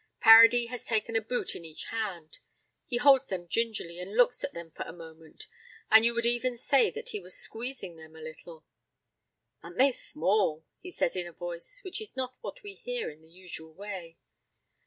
Paradis has taken a boot in each hand; he holds them gingerly and looks at them for a moment, and you would even say that he was squeezing them a little. "Aren't they small!" he says in a voice which is not what we hear in the usual way.